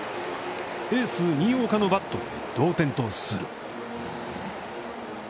エース新岡のバットで同点とする。